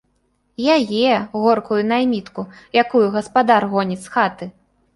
Яе, горкую наймітку, якую гаспадар гоніць з хаты!